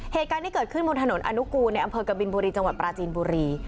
เหตุการณ์ที่เกิดขึ้นบนถนนอนุกูลในอำเภอกบินบุรีจังหวัดปราจีนบุรี